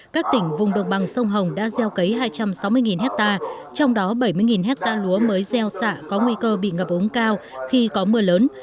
các tỉnh vùng độc bằng sông hồng đã gieo cấy hai trăm sáu mươi hectare trong đó bảy mươi hectare lúa mới gieo xạ có nguy cơ bị ngập ống cao khi có mưa lớn